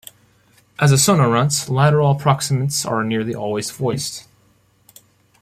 As a sonorant, lateral approximants are nearly always voiced.